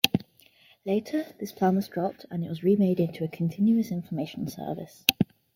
Later, this plan was dropped, and it was remade into a continuous information service.